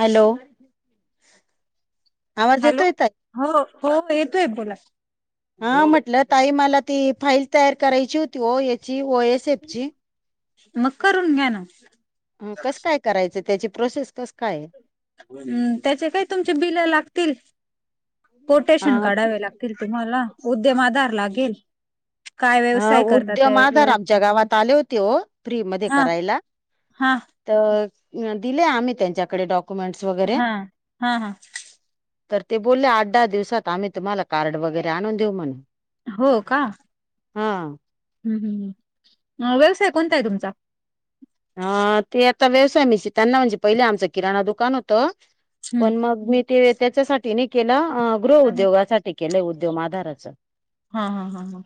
Hello आवाज hello येतोय ताय. हो हो येतोय बोला. हा म्हटलं ताई मला ती फाईल तयार करायची होती ओ याची ओएसएफची. मग करून घ्या ना. हो कसं काय करायचं त्याची प्रोसेस कसं. काय आहे? हम्म त्याचे काही तुमचे बिल लागतील. कोटेशन अ काढावे लागतील तुम्हाला उद्यम आधार लागेल. काय हा व्यवसाय करतात ते उद्यम आधार आमच्या गावात आले होते हो फ्री मध्ये हा करायला. हा तर दिले आम्ही त्यांच्याकडे डॉक्युमेंट्स वगैरे. हा हा हा तर ते बोलले आठ दहा दिवसात आम्ही तुम्हाला कार्ड वगैरे आणून देऊ म्हणे. हो का हा हम् हम् म व्यवसाय कोणता आहे तुमचा? हा ते आता व्यवसाय मिशी त्यांना म्हणजे पहिले आमचं किराणा दुकान होतं, हम्म पण मग मी ते त्याच्यासाठी नाही केला गृह हा उद्योगासाठी केलंय उद्योम आधाराच. हा हा हा हा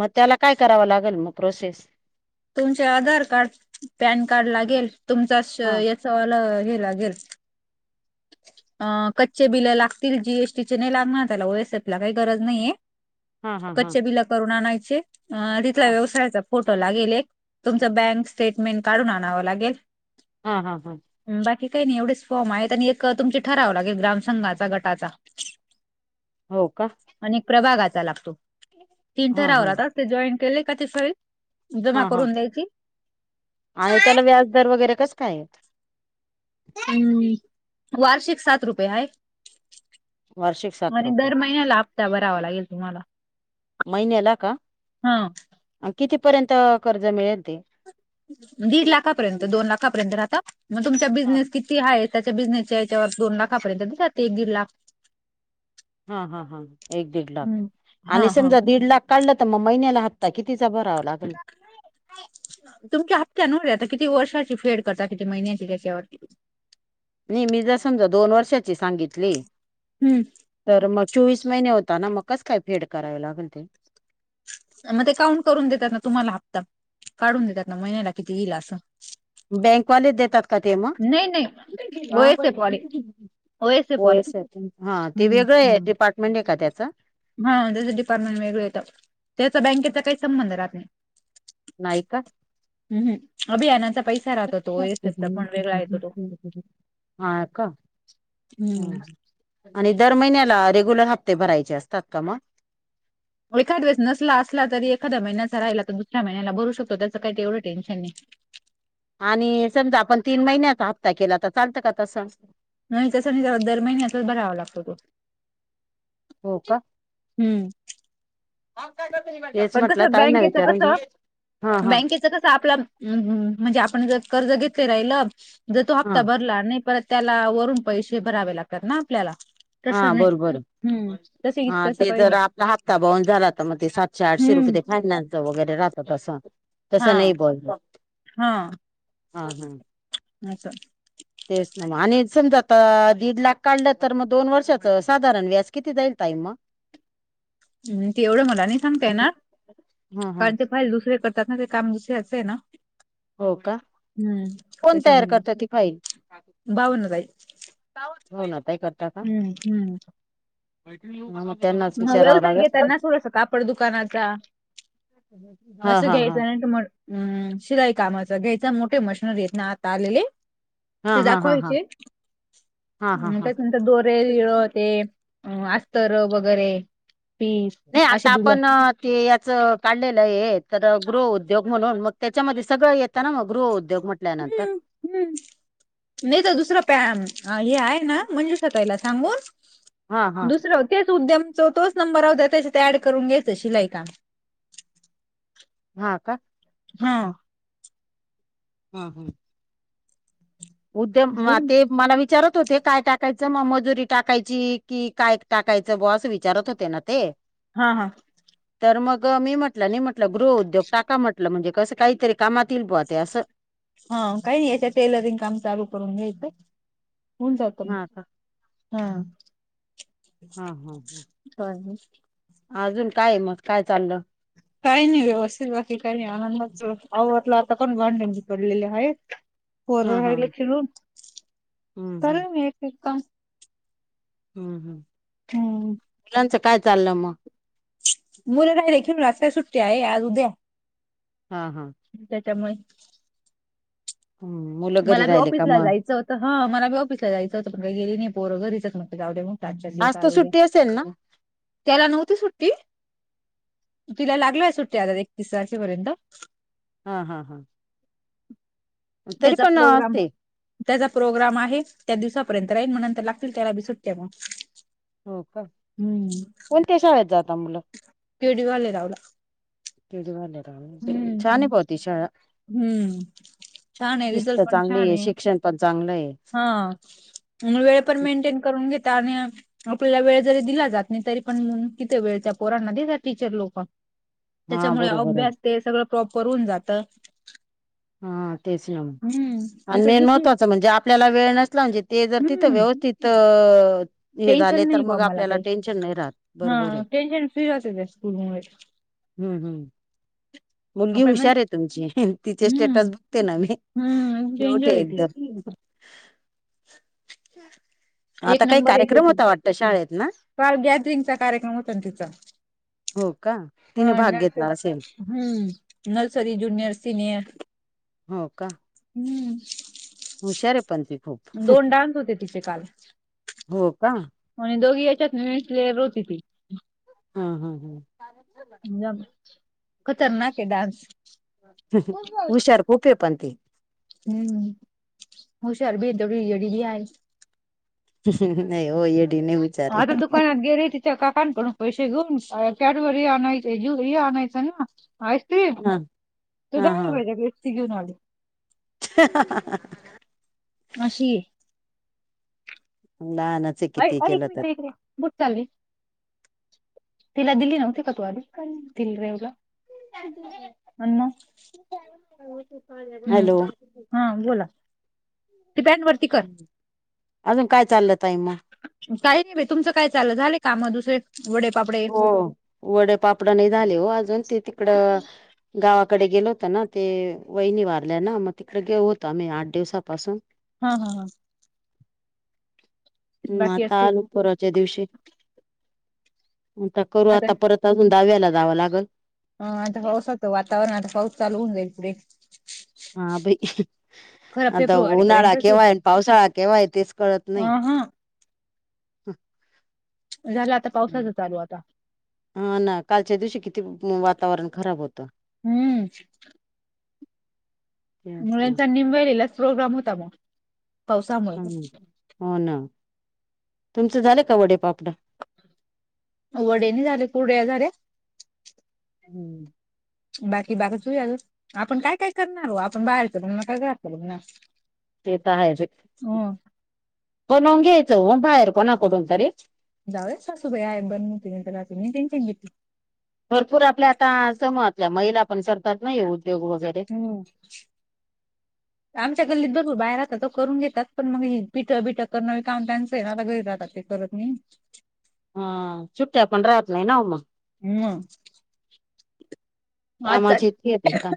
मग त्याला काय करावं लागेल प्रोसेस. तुमचे आधार कार्ड पॅन कार्ड लागेल तुमचा हा याचंवालं हे लागेल. अ कच्चे बिलं लागतील जीएसटीचे नाही लागणार त्याला ओएसएफ ला काही गरज नाहीये. हा हा हा कच्च्ये बिला करून आणायचे अ तिथला हा व्यवसायाचा फोटो लागेल एक तुमचं बँक स्टेटमेंट काढून आणावं लागेल. हा हा हा हमं बाकी काही नाही एवढेच फॉर्म आहेत आणि क तुमची ठरावं लागेल ग्राम संंघाचा गटाचा. हो का आणि प्रभागाचा लागतो तीन हा ठराव हा राहातच ते जॉईन केले का तथळी. जमा हा हा करून द्यायची. आणि त्याला व्याजदर वगैरे कसं काय हाय. हम्म वार्षिक सात रुपये हाय. वार्षिक सात आणि रुपये दर महिन्याला हपता भरावा लागेल तुम्हाला. महिन्याला का, हा आणि कितीपर्यंत कर्ज मिळेल ते? दीड लाखापर्यंत, दोन लाखापर्यंत राहतं मग तुमचा हा बिझनेस किती ती हाय त्याच्या बिझनेसच्या हेच्यावर दोन लाखापर्यंत जाते, एक दीड लाख. हा, हा, हा. एक दीड लाख हा आणि हा समजा दीड लाख काढलं तर मग महिन्याला हप्ता कितीचा भरावा लागल? तुमच्या हप्त्यानंवर आहे आता किती वर्षाची फेड करता, किती महिन्याची त्याच्यावरती. नाही मी जर समजा दोन वर्षाची सांगितली हम्म तर मग चोवीस महिने होता ना, मग कसं- काय फेड करावी लागल ते? मग ते काउंट करून देतात ना, तुम्हांला हप्ता काढून देतात ना, महिन्याला किती येईल असं. बँकवाले देतात का ते मग नाही नाही हं? ओएसएफ वाले ओएसएफ होय वाले असत, हा ते हम्म वेगळं आहे हम्म डिपार्टमेंट आहे का त्याचं? हा त्याच डिपार्टमेंट वेगळं येतं, त्याचा बँकेचा काही संबंध राहत नाही. नाही, का. ह.. हं.. अभियानाचा पैसा राहतो तो, येतोच पण वेगळा येतो तो. हा, का. हम्म आणि दर महिन्याला रेग्युलर हफ्ते भरायचे असतात का मग? एखाद्या वेळेस नसला- असला तरी, एखाद्या महिन्याचा राहिला तर दुसऱ्या महिन्याला भरू शकतो, त्याच काय तेवढं टेन्शन नाही. आणि समजा आपण तीन महिन्याचा हप्ता केला तर चालतं का तसं? नाही तसं नाही चालत, दर महिन्याचाच भरावा लागतो तो. हो, का. हम्म हेच पण म्हटलं कसं ताईना विचारून घे, हा, हा.. हिचं कसं आपला म्हणजे आपण जर कर्ज घेत राहिलं, जर तो हा हप्ता भरला नाही परत त्याला वरून पैसे भरावे लागतात ना आपल्याला. तसं हा नाही, बरोबर हं.. तसू इथं तसं काही नाही. तो हप्ता बाउन्स झाला तर मग ते सातशे- आठशे रुपये हम्म ते फायनान्सच वगैरे राहतं तसं हा तसं नाही बोलतो. हा.. आसं. तेच ना मग आणि समजा आता दीड लाख काढलं तर, दोन वर्षाचं साधारण व्याज किती जाईल ताई मग? [inaudible] ते एवढं मला नाही सांगता येणार, हा हा कारण ते फाईल दुसरे करतात ना, ते काम दुसऱ्याचं आहे ना, हो का ह.. कोण तयार त्याच्यामुळं करत ती फाईल बावन्न जाईल. हो ना ताई कर हं.. हं... हा मग त्यांनाच मग विचारावं व्यवसाय लागेल घेताना थोडंसं कापड दुकानाचा हा अस हा घ्यायचं हा नाहीतर मग ह.. शिलाई कामाचा घ्यायचा, मोठे मशनरी आहेत ना आता आलेले हा ते हा हा हा दाखवायचे, हा हा हा त्याच्यानंतर दोर ते रीळं ते अस्तर वगैरे, पीस नाही असे आता दिलं आपण ते याच काढलेलं आहे तर गृह उद्योग म्हणून, मग त्याच्यामध्ये सगळं येतना मग गृहउद्योग म्हण टल्यानंतर. हू.. नाही तर दुसरं पॅ हे आहे ना, मंजूषा ताईला सांगून- हा हा दुसरं तेच उद्यमच तोच नंबर राहू द्या, त्याच्यात ऍड करून घ्यायचं शिलाई काम. हा, का. हा... हा हा उद्यम होऊन- ते मला विचारत होते काय टाकायचं मग मजुरी टाकायची की काय टाकायचं बुवा असं विचारत होते ना ते हा हा तर मग मी म्हटलं नाही म्हटलं गृहउद्योग टाका म्हटलं म्हणजे कसं काहीतरी कामात येईल बुवा ते असं. हा काही नाही याच्या टेलरिंग काम चालू करून घ्यायचं. होऊन जातं हा का हा हा हा ह [unintelligible] अजून काय मग काय चाललं? काही नाही व्यवस्थित बाकी नाही आनंदाच आवडला आता पण भांडे तेन पडलेले आहेत. हा पोरं हा राहिला खेळून हम्म हम्म चालेल मी एक एक काम हम्म हम्म हम्म तुमचं काय चाललं मग मुलं राहिले खेळून आज काय सुट्टी आहे आज उद्या हा हा त्याच्यामुळे हम्म मुलं घरी राहिले का मग? हां मला पण ऑफीसला जायचं होत पण गेली नाही पोरं घरीच मग जाऊदे मग. आजच्या दिवस आज तर उद्या सुट्टी असेल ना? त्याला नव्हती सुट्टी त्याला तिला लागलंय सुट्टी आता एकतीस तारखेपर्यंत.. हा हा. तरी त्याचा पण प्रोग्राम. असते त्याचा प्रोग्राम आहे, त्या दिवसापर्यंत राईन मग नंतर लागतील त्याला बी सुट्या मग. हो का, हम्म कोणत्या शाळेत जाता मुलं? पेटवडगावला. [unintelligible] पेटवडगाव ला छान आहे हम्म खरं ती शाळा. [unintelligible] हम्म छान आहे शिस्त रिझल्ट पण चांगली छान आहे. शिक्षण पण चांगलं आहे. हा आणि वेळ पण मेंटेन करून घेेत आणि आपल्याला वेळ जरी दिला जात नाही, तरी पण तिथे वेळ त्या पोरांना देतात टीचर लोक हा त्याच्यामुळे बरोबर आहे अभ्यास ते सगळं प्रॉपर होऊन जात. हा तेच ना, आणि इकड मेन दुसरी महत्त्वाचं म्हणजे आपल्याला वेळ नसला म्हणजे ते जर तिथं हम्म व्यवस्थित हे झाले टेन्शन तर नाही बा मग मला आपल्याला काही टेन्शन नाही राहत, हा बरोबर आहे. टेन्शन फ्री राहते त्या स्कूलमुळे हम्म हम्म मुलगी आपण हुशार आहे तुमची, तिचे स्टेटस हम्म बघते ना मी, हम्म क्विट आहे डेंजर येते एकदम. आता एक काही नंबर येते कार्यक्रम ती होता वाटतं शाळेत ना? काल गॅदरिंगचा कार्यक्रम होता तिचा. हो का, तिने हा भाग नर्सरी घेतला असेल? हम्म नर्सरी, जुनियर, सिनियर हो का? हुशार आहे पण ती खूप हम्म दोन डान्स होते तिचे काल. हो का? आणि दोघी याच्यात मिस लेअर होती ती. हा हा हम जा खतरनाक हे डान्स. हुशार खूप आहे पण ती हम्म हुशार बी हे तेवढी येडी बी हाय. ह् नही हो येडी नही मी आता दुकानात गेले ती. त्या काकांकडून पैसे घेऊन कॅडबरी आणायचे जुहे आणायचं ना. आईस्क्रीम हा तू हा दहा हा रुपयां ऐवजी वीस ची घेऊन आली. हा हा हा. अशीए. लहान अय अयं एक मिनटं इकडे ये. कुठं चालली? तिला दिली नव्हती का तू आणून [unintelligible] आणि मग हम. हॅलो हा बोला ती पॅन्टवर अजून काय चाललं ताई मग. काही नाही बाई, तुमचं काय चालं झालं काम दुसरे वडे पापडे. हो वडे पापड नाही झाले हो अजून ते तिकडं. गावाकडे गेलो होत ना ते वहिनी वारल्या ना मग तिकडे गेऊ होतो आम्ही आठ दिवसापासून. हं हं हं मग बाकी आत्ता असतील आलो परवाच्या दिवशी. म्हणता करू आता परत अजून दहाव्याला जावं लागंल. हां आता पाऊसाचं वातावरण आता पाऊस चालू होऊ जाईल इकडे. हा बाई आता फेब्रुवारी उन्हाळा पर्यंतच ये केव्हा हे आणि पावसाळा केव्हा हे तेच कळत अ नही. हा झालं आता पावसाच चालू आता. हो ना कालच्या दिवशी किती वातावरण खराब होतं. हम्म. मुलांचा निमव्हेरीलाचं प्रोग्राम होता मग. पावसामुळे हं हो ना तुमचं झालं का वडेपापडं वडे नही झाले कुरड्या झाल्या. हम्म. बाकी बागचयाल आपण काय काय करणार ओ आपण बाहेरच म्हण ना काय घातलं म्हण ना. ते तर आहेचं हो करून घ्यायचं हो बाहेर कोणाकडून तरी. जाऊच सासू बाई आहेत बनवतील नाही तर होती नंतर मी टेन्शन घेतली. भरपूर आपल्या का समातल्या महीला पण करतात ना हे उद्योग वगैरे. हम् हा. आमच्या गल्लीत बघू बाया राहतात त करून घेतात पण मग पिटं बिटं कर नवी काम त्यांचं आता घरी राहात ते तर. हम् हा सुुट्ट्या पण राहत नाही ना ओ मग. हम् कामच इतके हे तना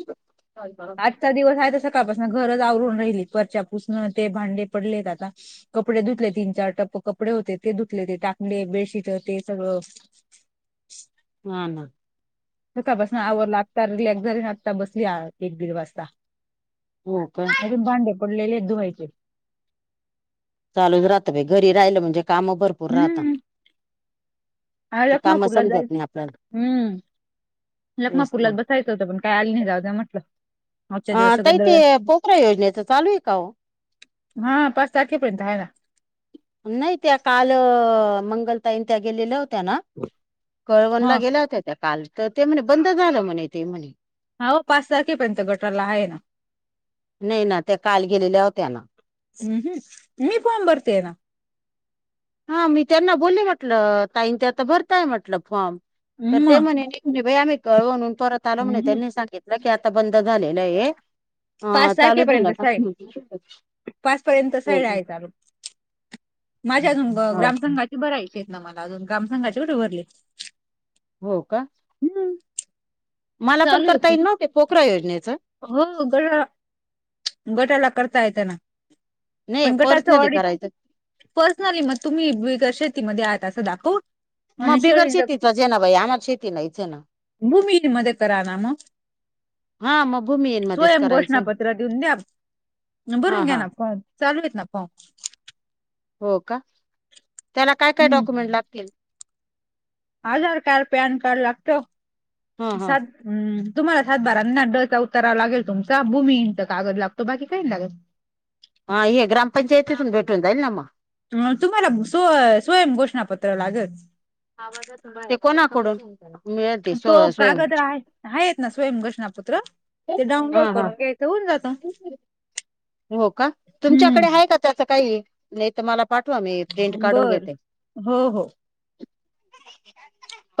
काय आजचा दिवस आहे तर सकाळ पासनं घरच आवरून राहिली फरच्या पुसनं ते भांडे पडलेत आता कपडे धुतले तीन चार टप्प होते ते धुतले टांकले बेडशीट ते सगळं. हा ना. नकां बसं आवंरल लागंता रिलॅक्स झाली नां आंता बसली एक दीड वाजतां. हो कां. सगळें भांडे पडलेले आहेतं धुंवांयचे. चालूंचं राहतं घरी राहिलं म्हणजे कामं भरंपूर राहतांत. हां लखमांपूरला नाही आपल्याला जायचं हम्मं. तेच लखमांपूरला ना. बसायचं होतं पणं कांय आलीं नाहीं जाऊं म्हटलं. आजचा दिवस हं सगळं ताई ते दळ बोकरा योजनेचं चालूं आहे कां हो. हां पांच तारखेपर्यंत आहे नां. नाहीं त्यां कालं मंगलताईन त्यायां गेलेल्यां होत्यां नां. कळवणंला हा गेल्यां होत्यां त्यां कांल तरं ते म्हणे बंद झालं म्हणे ते म्हणे. अहो पाच तारखेपर्यंत गटाला आहे ना नाहीं नां ते कांल गेलेल्यां होत्यां नां. हम्मं हम्मं मी फॉम भरतेय आहे नां. हां मी त्यांना बोलले म्हटलं ताईं आंता भरतांय म्हटलं फॉर्म तरं ते. मग म्हणजे आम्हीं कळवणूंन परंत एकंदा आलो म्हणे हम्म. त्यांनी सांगितलं की आंता बंद झालेलं आहे. अं, पांच चालू तारखेपर्यंत झालं का साईड पांच पर्यंत हो साईड का? आहे चालूं. माझ्यां अजूंन बी हा. ग्रामस्थांची बरां इच्छेत नां मलां अजूंन ग्रामस्थांचे कुठे भरले. हो कां. मलां पणं चालू आहे करतां की. येईल नव्हते पोखरा योजनेचं. हो करां. गटांला करतां येतं त्यांनां नाही पणं गटाचं पर्सनली ऑडिट. करायचं पर्सनली मगं तुम्ही बगंर शेतीमध्यें आं असं दाखवं. मंग बिगर शेतीच जे नाई आमर शेती नां इथे नां. भूमी इथे मध्यें करां नां मगं. हां मंग भूमियन मध्येंच करायचे. द्यां भरूंन घ्यायचं नां फॉर्म चालूे येतनां फॉर्म- हो कां त्यांला कायं कायं हम्म. डॉक्युमेंट लागतील- आंधार कार्ड पॅन कार्ड लागतं हा हा सा- हम्मं तुम्हांला सातबारा नां डचां उतारावा लागेल तुमचां भूमीहिनचां कागद लागतो बाकी कांहीं लागतं- हां हे ग्रामपंचायतीतुन भेटूंन जाईल नां मगं- तुम्हांला स्वं स्वयं घोषणांपत्र लागंल- कां बरं मध्यें कोणांकडूंन- तो कांगद आहे- आहेते नां स्वयं घोषणांपत्र ते डाउनलोड हा हा करूंन घ्यायचं होऊंन जातं- हो कां तुमच्यांकडे हम्म आहे कां त्यांचं कांहीं नाहीं तरं मलां- पाठवां मी प्रिंट काढूंन बर घेते- हो हो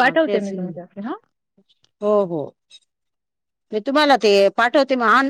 हां मी तेचं नि तुमच्याकडे हा हो हो- मी तुम्हांला ऊ ते पाठवते मं ऑन-